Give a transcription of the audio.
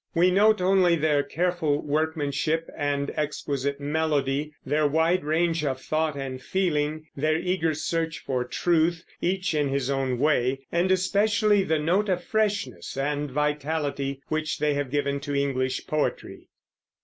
We note only their careful workmanship and exquisite melody, their wide range of thought and feeling, their eager search for truth, each in his own way, and especially the note of freshness and vitality which they have given to English poetry.